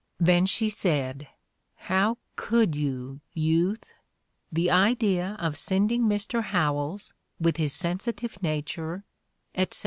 Then she said: 'How could you, Youth ! The idea of sending Mr. Howells, with his sen sitive nature,' " etc.